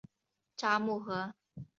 札木合。